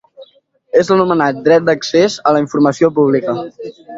És l'anomenat dret d'accés a la informació pública.